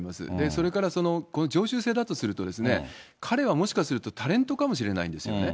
それから常習性だとすると、彼はもしかするとタレントかもしれないんですよね。